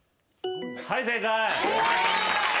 はい正解。